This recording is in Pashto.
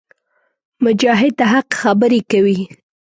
مجاهد د حق خبرې کوي.